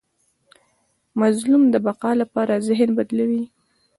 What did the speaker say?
مظلوم د بقا لپاره ذهن بدلوي.